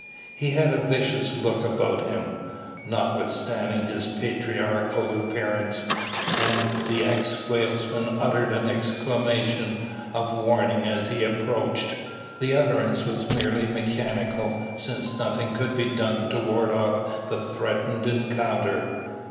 He had a vicious look about him, notwithstanding his patriarchal appearance, and the ex whalesman uttered an exclamation of warning as he approached. The utterance was merely mechanical, since nothing could be done to ward off the threatened encounter.